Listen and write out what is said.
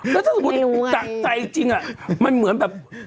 แล้วถ้าสมมุติจากใจจริงมันเหมือนแบบ